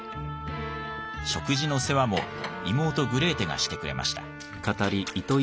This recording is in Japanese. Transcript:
食事の世話も妹グレーテがしてくれました。